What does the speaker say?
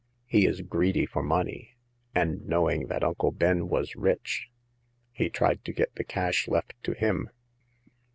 '* He is greedy for money, and knowing that Uncle Ben was rich, he tried to get the cash left to him.